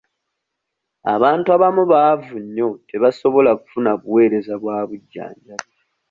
Abantu abamu baavu nnyo tebasobola kufuna buweereza bwa bujjanjabi.